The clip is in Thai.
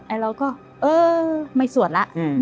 เราก็เออไม่สวดแล้ว